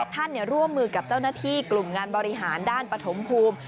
ร่วมมือกับเจ้าหน้าที่กลุ่มงานบริหารด้านปฐมภูมิ